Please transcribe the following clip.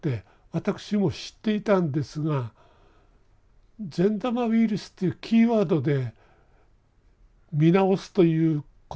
私も知っていたんですが「善玉ウイルス」というキーワードで見直すということはなかったんですね。